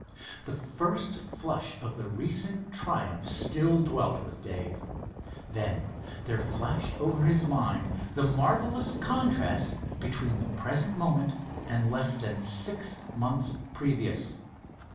The first flush of the recent triumph still dwelt with Dave. Then there flashed over his mind the marvelous contrast between the present moment and less than six months previous.